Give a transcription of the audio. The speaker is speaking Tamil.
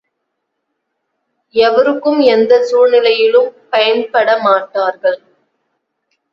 எவருக்கும் எந்தச் சூழ்நிலையிலும் பயன்படமாட்டார்கள்.